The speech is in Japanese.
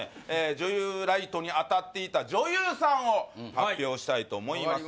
女優ライトに当たっていた女優さんを発表したいと思います